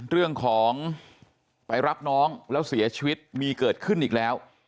เรื่องของไปรับน้องแล้วเสียชีวิตมีเกิดขึ้นอีกแล้ว